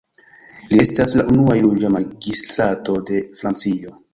Li estas la unua juĝa magistrato de Francio.